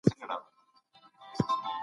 د هوتکو قبیلې مشر څوک و؟